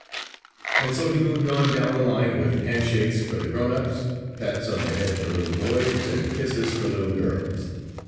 And so he moved on down the line with handshakes for the grownups, pats on the head for little boys and kisses for little girls.